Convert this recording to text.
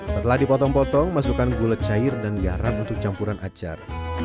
setelah dipotong potong masukkan gula cair dan garam untuk campuran acar